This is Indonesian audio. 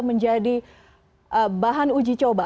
menjadi bahan uji coba